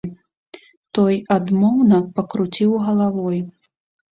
Той адмоўна пакруціў галавой.